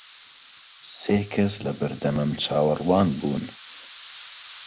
سێ کەس لە بەردەمم چاوەڕوان بوون.